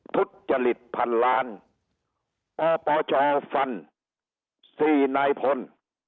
ทุจจริตพันล้านปปชฟันสี่นายพล